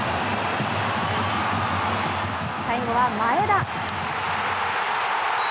最後は前田。